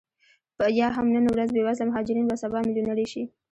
یا هم نن ورځ بې وزله مهاجرین به سبا میلیونرې شي